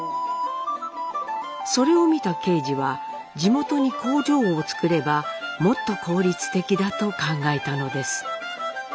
それを見た敬次は地元に工場を造ればもっと効率的だと考えたのです。